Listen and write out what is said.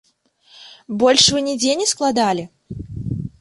Больш вы нідзе не складалі?